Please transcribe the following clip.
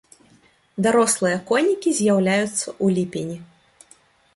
Дарослыя конікі з'яўляюцца ў ліпені.